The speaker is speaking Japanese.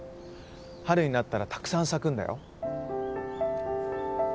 春になったらたくさん咲くんだよ。